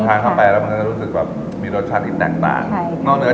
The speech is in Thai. อาหารคื้นชื่อของจันทบุรีอีกอย่างคือ